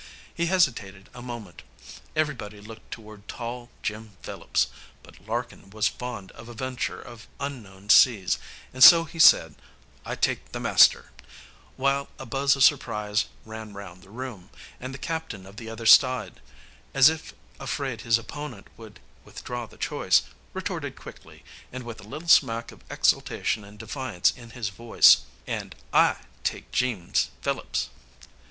He hesitated a moment. Everybody looked toward tall Jim Phillips. But Larkin was fond of a venture on unknown seas, and so he said, "I take the master," while a buzz of surprise ran round the room, and the captain of the other side, as if afraid his opponent would withdraw the choice, retorted quickly, and with a little smack of exultation and defiance in his voice, "And I take Jeems Phillips."